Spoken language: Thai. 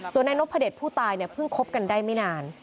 ส่วนนายนพเดชผู้ตายเนี่ยเพิ่งคบกันได้ไม่นาน